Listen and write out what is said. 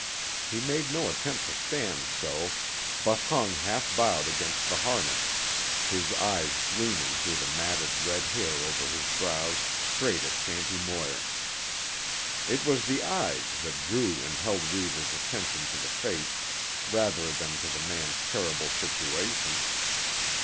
He made no attempt to stand so, but hung half bowed against the harness, his eyes gleaming through the matted red hair over his brows straight at Shanty Moir. It was the eyes that drew and held Reivers' attention to the face, rather than to the man's terrible situation.